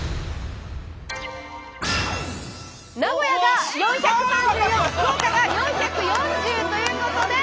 名古屋が４３４福岡が４４０ということで。